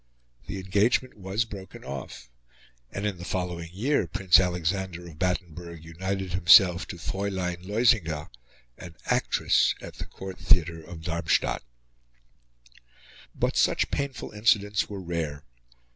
The engagement was broken off; and in the following year Prince Alexander of Battenberg united himself to Fraulein Loisinger, an actress at the court theatre of Darmstad. But such painful incidents were rare.